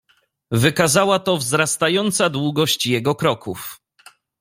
"Wykazała to wzrastająca długość jego kroków."